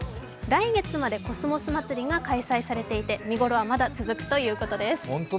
来月までコスモスまつりが開催されていて見頃はまだ続くということです。